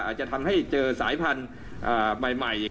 อาจจะทำให้เจอสายพันธุ์ใหม่